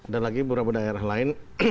dan lagi beberapa daerah lain